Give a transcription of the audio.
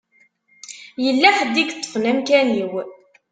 Yella ḥedd i yeṭṭfen amkan-iw.